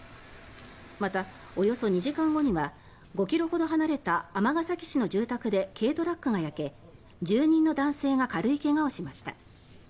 また、およそ２時間後には５ｋｍほど離れた尼崎市の住宅で軽トラックが焼け、住人の男性が軽い怪我をしました。